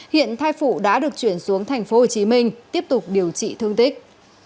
hiện thai phụ đã được chuyển xuống thành phố hồ chí minh tiếp tục điều trị thương tích